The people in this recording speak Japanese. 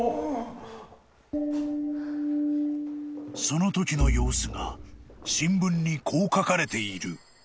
［そのときの様子が新聞にこう書かれている］